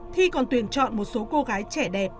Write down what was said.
thi còn tuyển chọn một số cô gái trẻ đẹp